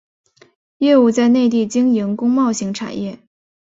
业务在内地经营工贸型产业。